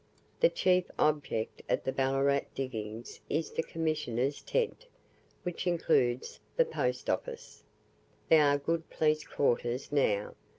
The chief object at the Ballarat diggings is the Commissioners' tent, which includes the Post office. There are good police quarters now.